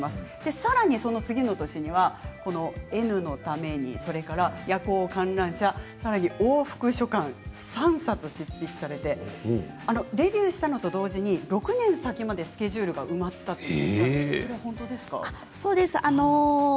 さらにその次の年には「Ｎのために」、「夜行観覧車」さらに「往復書簡」３冊、執筆されてデビューしたのと同時に６年先までスケジュールが埋まったと伺っていますがそうです。